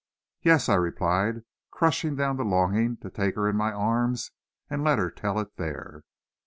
"Yes," I replied, crushing down the longing to take her in my arms and let her tell it there.